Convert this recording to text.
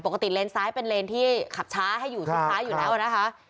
เลนซ้ายเป็นเลนที่ขับช้าให้อยู่ชิดซ้ายอยู่แล้วนะคะ